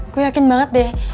gue yakin banget deh